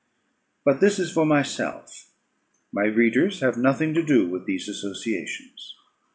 But this is for myself; my readers have nothing to do with these associations.